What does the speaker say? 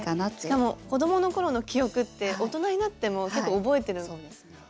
しかも子どもの頃の記憶って大人になっても結構覚えてるので。